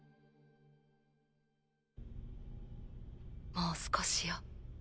もう少しよ。